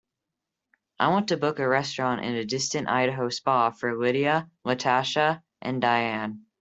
I want to book a restaurant in a distant Idaho spa for lidia, latasha and diann.